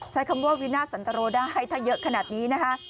ใช้คำว่าวินาทสันตรโรได้ถ้าเยอะขนาดนี้นะคะ